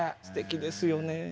すてきですよね。